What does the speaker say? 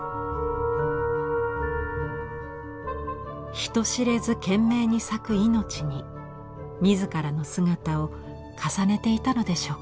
人知れず懸命に咲く命に自らの姿を重ねていたのでしょうか。